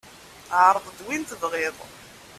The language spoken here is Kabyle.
Ɛreḍ-d win tebƔiḍ.